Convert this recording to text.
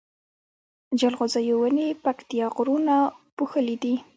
جلغوزيو ونی پکتيا غرونو پوښلي دی